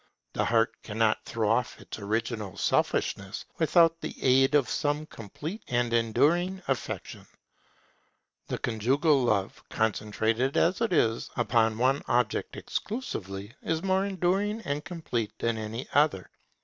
The heart cannot throw off its original selfishness, without the aid of some complete and enduring affection. And conjugal love, concentrated as it is upon one object exclusively, is more enduring and complete than any other.